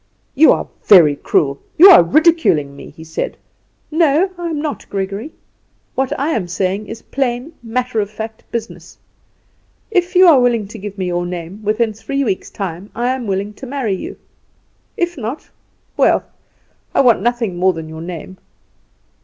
"You are very cruel; you are ridiculing me," he said. "No, I am not, Gregory. What I am saying is plain, matter of fact business. If you are willing to give me your name within three weeks' time, I am willing to marry you, if not, well. I want nothing more than your name.